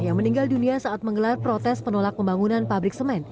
yang meninggal dunia saat menggelar protes penolak pembangunan pabrik semen